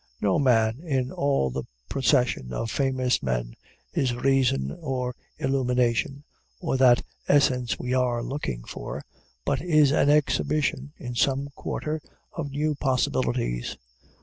No man, in all the procession of famous men, is reason or illumination, or that essence we were looking for, but is an exhibition, in some quarter, of new possibilities.